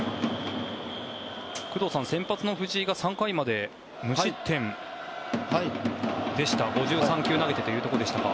工藤さん、先発の藤井が３回まで無失点でした５３球投げてというところでしたが。